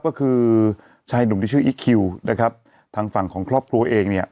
ก็คือชายหนุ่มที่ชื่ออีคคิวนะครับทางฝั่งของครอบครัวเองเนี่ย